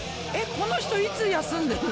この人いつ休んでんの？